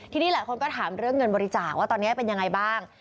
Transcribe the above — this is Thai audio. ทีนี้หลายคนก็ถามเรื่องเงินบริจาคว่าตอนนี้เป็นยังไงบ้าง